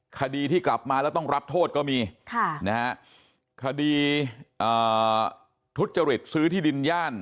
คดีที่กลับมาแล้วต้องรับโทษก็มีคดีทุจริตซื้อที่ดินย่าน